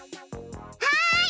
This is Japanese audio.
はい！